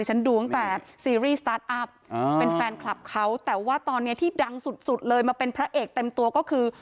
ฉันดูตั้งแต่ซีรีส์สตาร์ทอัพเป็นแฟนคลับเขาแต่ว่าตอนนี้ที่ดังสุดเลยมาเป็นพระเอกเต็มตัวก็คือ